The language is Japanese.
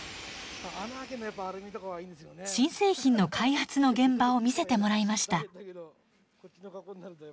新製品の開発の現場を見せてもらいました。